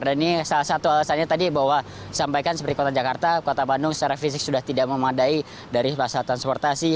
dan ini salah satu alasannya tadi bahwa sampaikan seperti kota jakarta kota bandung secara fisik sudah tidak memadai dari pasal transportasi